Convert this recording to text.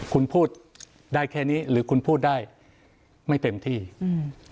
คุณพูดได้แค่นี้หรือคุณพูดได้ไม่เต็มที่อืม